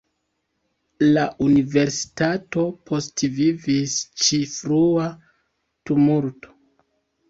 La Universitato postvivis ĉi frua tumulto.